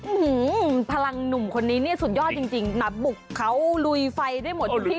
อื้อหือพลังหนุ่มคนนี้นี่สุดยอดจริงนับบุกเขาลุยไฟได้หมดที่